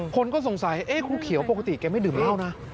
คนก็สงสัยครูเขียวปกติแกไม่ดื่มเหล้านะ